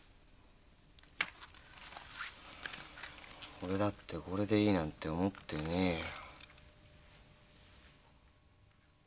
俺だってこれでいいなんて思ってねえよ。